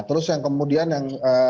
yang kemudian yang kemudian yang